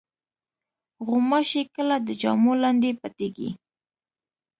غوماشې کله د جامو لاندې پټېږي.